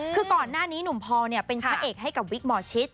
คือก่อนหน้านี้หนุ่มพอเป็นพระเอกให้กับวิกหมอชิต